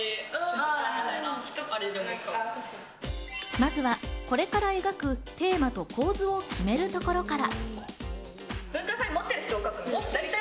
まずはこれから描くテーマと構図を決めるところから。